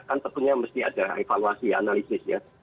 kan tentunya mesti ada evaluasi analisis ya